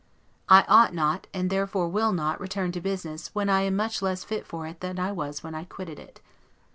I ought not, and therefore will not, return to business when I am much less fit for it than I was when I quitted it.